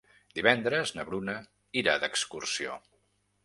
Divendres na Bruna irà d'excursió.